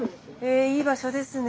えいい場所ですね。